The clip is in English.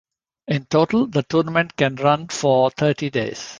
In total, the tournament ran for thirty days.